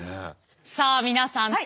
さあ皆さん。